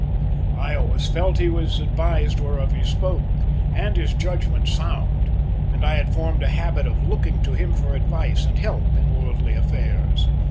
I always felt he was advised whereof he spoke, and his judgment sound, and I had formed a habit of looking to him for advice and help in worldly affairs.